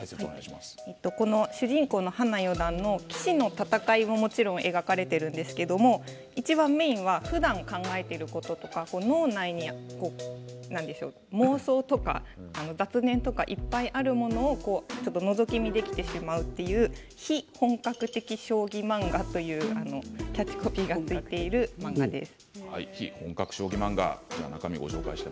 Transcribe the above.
主人公の花四段の棋士の戦いももちろん描かれているんですけれどもいちばんメインはふだん考えていることとか、脳内妄想とか雑念とかいっぱいあるものをのぞき見できてしまうという非本格的将棋漫画というキャッチコピーがついています。